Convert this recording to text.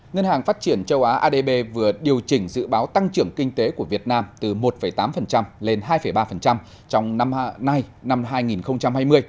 ngân hàng phát triển châu á adb vừa điều chỉnh dự báo tăng trưởng kinh tế của việt nam từ một tám lên hai ba trong năm nay năm hai nghìn hai mươi